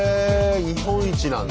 日本一なんだ。